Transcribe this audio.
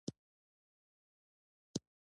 زمرد د افغانستان د بشري فرهنګ برخه ده.